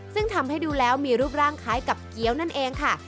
ซึ่งทำให้ดูแล้วมีรูปร่างคล้ายกับเกี้ยวนั่นเองค่ะ